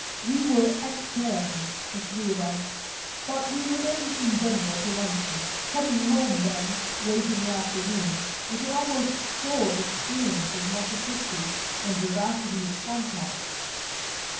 We were externes, the three of us, but we remained in general to luncheon; coming home then, late in the afternoon, with an almost sore experience of multiplicity and vivacity of contact.